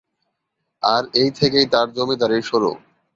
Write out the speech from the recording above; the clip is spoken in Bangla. আর এই থেকেই তার জমিদারীর শুরু।